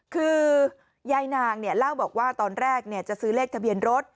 คือยายนางเล่าบอกว่าตอนแรกจะซื้อเลขทะเบียนรถ